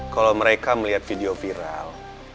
kalau mereka melihat video viral